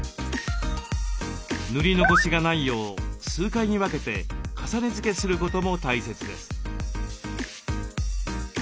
塗り残しがないよう数回に分けて重ね付けすることも大切です。